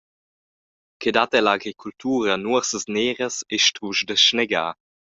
Ch’ei dat ell’agricultura nuorsas neras ei strusch da snegar.